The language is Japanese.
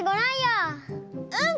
うん！